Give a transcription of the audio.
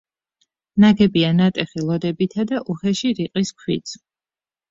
ნაგებია ნატეხი ლოდებითა და უხეში რიყის ქვით.